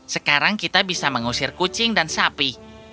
sekarang kita bisa mengusir kucing dan sapi